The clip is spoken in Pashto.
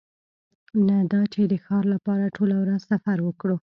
نه دا چې د ښار لپاره ټوله ورځ سفر وکړو